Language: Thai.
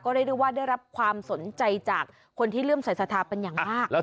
ก็ได้รับความสนใจจากคนที่เริ่มใส่สถาปัญญามาก